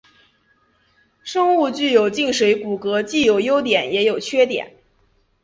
生物具有静水骨骼既有优点也有缺点。